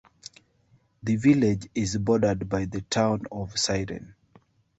The village is bordered by the Town of Siren.